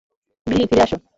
বিলি, ফিরে আসো!